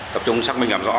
tập trung sắc minh nhập rõ